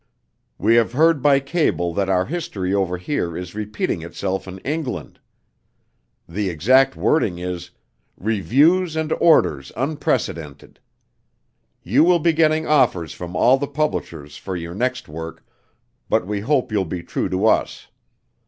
We have heard by cable that our history over here is repeating itself in England. The exact wording is, 'Reviews and orders unprecedented.' You will be getting offers from all the publishers for your next work, but we hope you'll be true to us.